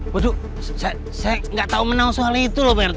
waduh saya gak tau menang soal itu pak rt